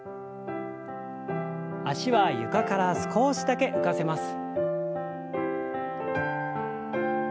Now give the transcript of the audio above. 脚は床から少しだけ浮かせます。